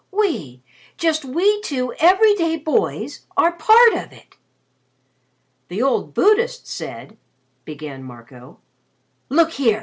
We just we two every day boys are part of it!" "The old Buddhist said " began Marco. "Look here!"